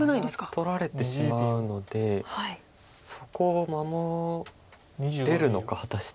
取られてしまうのでそこを守れるのか果たして。